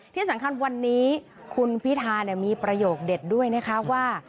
ที่สำคัญวันนี้คุณพิธามีประโยคเด็ดด้วยนะคะว่า